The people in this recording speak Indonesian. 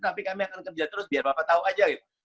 tapi kami akan kerja terus biar bapak tahu aja gitu